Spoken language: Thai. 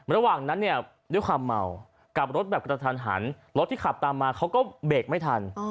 ระหว่างนั้นเนี่ยด้วยความเมากลับรถแบบกระทันหันรถที่ขับตามมาเขาก็เบรกไม่ทัน